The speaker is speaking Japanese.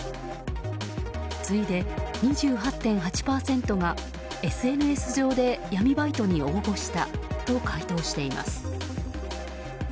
次いで２８．８％がＳＮＳ上で闇バイトに応募したと回答しています。